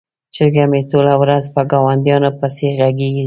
چرګه مې ټوله ورځ په ګاونډیانو پسې غږیږي.